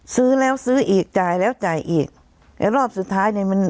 ซื้อแล้วซื้ออีกจ่ายแล้วจ่ายอีกไอ้รอบสุดท้ายเนี้ยมัน